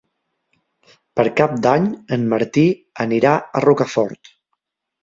Per Cap d'Any en Martí anirà a Rocafort.